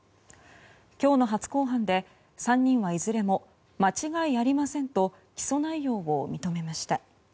今日の初公判で３人はいずれも間違いありませんと起訴内容を認めました。